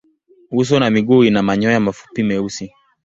Uso na miguu ina manyoya mafupi meusi.